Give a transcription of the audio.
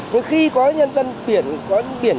nhưng khi có nhân dân biển